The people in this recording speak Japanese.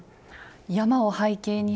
山を背景にして。